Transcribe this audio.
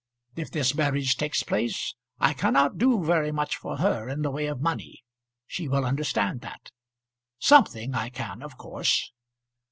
If this marriage takes place I cannot do very much for her in the way of money; she will understand that. Something I can of course."